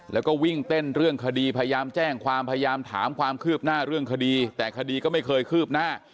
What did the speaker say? แล้วก็วิ่งเต้นเรื่องคดีพยายามแจ้งความพยายามถามความคืบหน้าเรื่องคดีแต่คดีก็ไม่เคยคืบหน้า